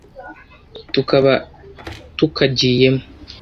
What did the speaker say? tukaba tukagiyemo.